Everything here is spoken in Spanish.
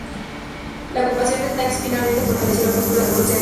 La ocupación de Taskent finalmente fortaleció la postura de Rusia en Asia Central.